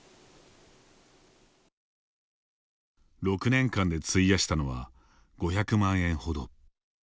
６年間で費やしたのは５００万円ほど。